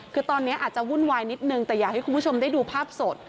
คือตอนนี้อาจจะวุ่นวายนิดนึงแต่อยากให้คุณผู้ชมได้ดูภาพสด